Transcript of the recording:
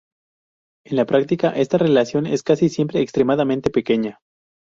En la práctica, esta relación es casi siempre extremadamente pequeña.